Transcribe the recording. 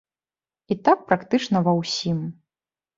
І так практычна ва ўсім.